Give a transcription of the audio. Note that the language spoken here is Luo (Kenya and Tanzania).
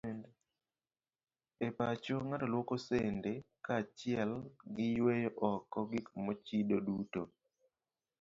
E pacho, ng'ato luoko sende kaachiel gi yweyo oko gik mochido duto.